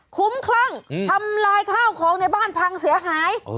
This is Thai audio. คุ้มคลั่งทำลายข้าวของในบ้านพังเสียหาย